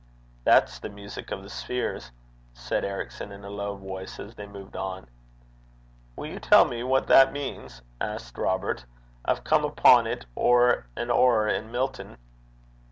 'That's the music of the spheres,' said Ericson, in a low voice, as they moved on. 'Will you tell me what that means?' asked Robert. 'I've come upon 't ower an' ower in Milton.'